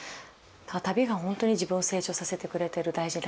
旅がほんとに自分を成長させてくれてる大事な鍵。